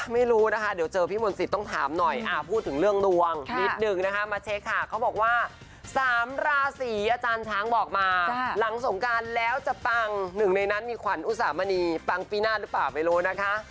ไม่รู้นะคะเดี๋ยวเจอพี่มนต์สิทธิ์ต้องถามหน่อยพูดถึงเรื่องดวงนิดนึงนะคะมาเช็คค่ะเขาบอกว่า๓ราศีอาจารย์ช้างบอกมาหลังสงการแล้วจะปังหนึ่งในนั้นมีขวัญอุสามณีปังปีหน้าหรือเปล่าไม่รู้นะคะ